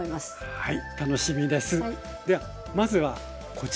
はい。